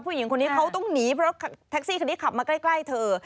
ผู้หญิงคนนี้เขาต้องหนีเพราะแท็กซี่คันนี้ขับมาใกล้เธอ